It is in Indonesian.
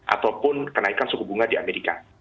ataupun kenaikan suku bunga di amerika